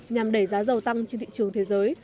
nhằm đẩy giá dầu tăng trên thị trường thế giới